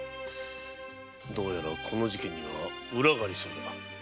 どうやらこの事件にはウラがありそうだ。